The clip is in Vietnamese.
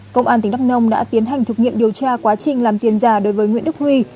công an tỉnh đắk nông đã tiến hành thực nghiệm điều tra quá trình làm tiền giả đối với nguyễn đức huy